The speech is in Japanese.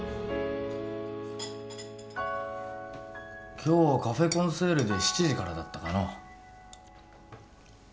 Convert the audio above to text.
今日はカフェコンセールで７時からだったかの？